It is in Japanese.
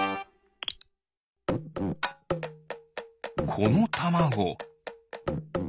このたまご。